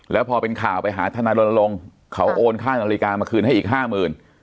แล้วพอเป็นข่าวไปหาทนายรณรงค์เขาโอนค่านาฬิกามาคืนให้อีกห้าหมื่น